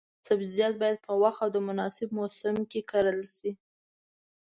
سبزیجات باید په وخت او د مناسب موسم کې کرل شي.